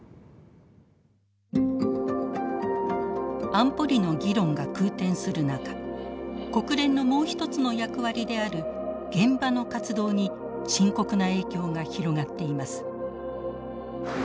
安保理の議論が空転する中国連のもうひとつの役割である現場の活動に深刻な影響が広がっています。